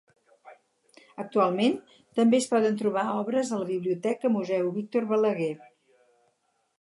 Actualment també es poden trobar obres a la Biblioteca Museu Víctor Balaguer.